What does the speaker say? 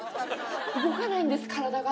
動かないんです、体が。